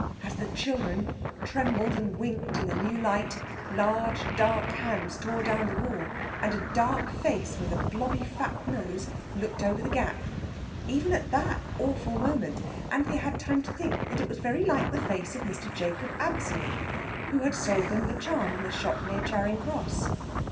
As the children trembled and winked in the new light, large dark hands tore down the wall, and a dark face, with a blobby fat nose, looked over the gap. Even at that awful moment Anthea had time to think that it was very like the face of Mr Jacob Absalom, who had sold them the charm in the shop near Charing Cross.